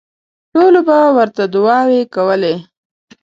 ټولو به ورته دوعاوې کولې.